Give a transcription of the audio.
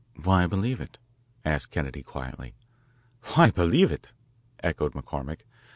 "Why believe it?" asked Kennedy quietly. "Why believe it?" echoed McCormick.